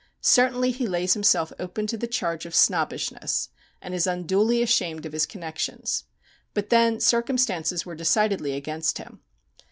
Certainly he lays himself open to the charge of snobbishness, and is unduly ashamed of his connections. But then circumstances were decidedly against him.